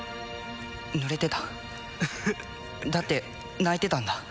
ぬれてただって泣いてたんだ